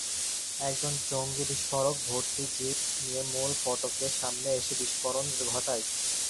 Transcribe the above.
একজন জঙ্গি বিস্ফোরক-ভর্তি জিপ নিয়ে মূল ফটকের সামনে এসে বিস্ফোরণ ঘটায়।